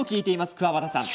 くわばたさん。